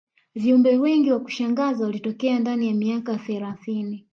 viumbe wengi wa kushangaza walitokea ndani ya miaka thelathini